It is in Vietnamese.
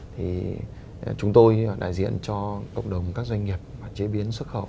thì chúng tôi đại diện cho cộng đồng các doanh nghiệp chế biến xuất khẩu